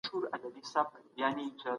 د فرضیې اصلي ټاکنه د څېړنې مبداء ده.